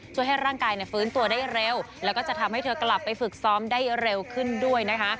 ช่วยให้ร่างกายฟื้นตัวได้เร็วแล้วก็จะทำให้เธอกลับไปฝึกซ้อมได้เร็วขึ้นด้วยนะคะ